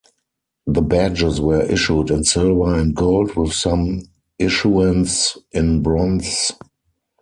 The badges were issued in Silver and Gold with some issuance in Bronze.